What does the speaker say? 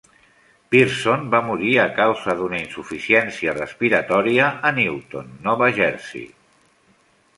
Pierson va morir a causa d'una insuficiència respiratòria a Newton, Nova Jersey.